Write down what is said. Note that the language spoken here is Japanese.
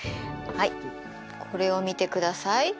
はいこれを見てください。